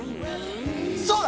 そうだ！